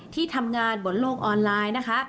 ที่ทำงานบนโลกออนไลน์นะคะ